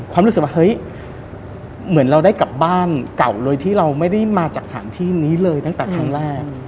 รู้สึกว่าเฮ้ยเหมือนเราได้กลับบ้านเก่าโดยที่เราไม่ได้มาจากสถานที่นี้เลยตั้งแต่ครั้งแรก